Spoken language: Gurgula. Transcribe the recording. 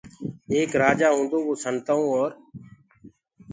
ايڪ رآجآ هونٚدو وو سنتآئوٚنٚ اورَ